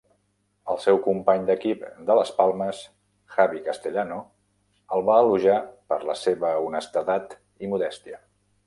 El seu company d'equip de Las Palmas, Javi Castellano, el va elogiar per la seva honestedat i modèstia.